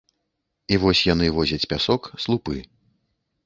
І вось яны возяць пясок, слупы.